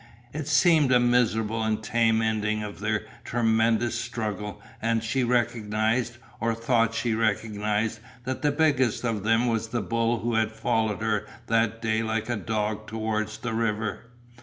It seemed a miserable and tame ending of their tremendous struggle and she recognized, or thought she recognized, that the biggest of them was the bull who had followed her that day like a dog towards the river.